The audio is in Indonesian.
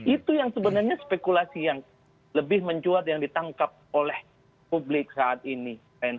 itu yang sebenarnya spekulasi yang lebih mencuat yang ditangkap oleh publik saat ini